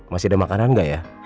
masih ada makanan nggak ya